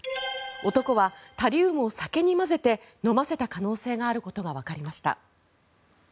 男はタリウムを酒に混ぜて飲ませた可能性があることがわかりました。